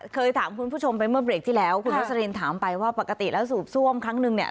เคยถามคุณผู้ชมไปเมื่อเบรกที่แล้วคุณรสลินถามไปว่าปกติแล้วสูบซ่วมครั้งนึงเนี่ย